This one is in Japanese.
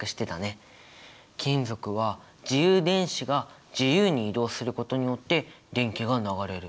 金属は自由電子が自由に移動することによって電気が流れる。